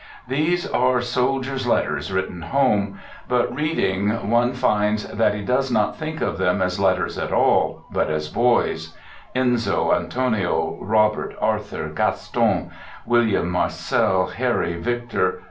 These are soldiers' letters written home. But reading, one finds that he does not think of them as vii Digitized by viii INTRODUCTION letters at all, but as boys: Enzo, Antonio, Robert, Arthur, Gaston, William, Marcel, Harry, Victor.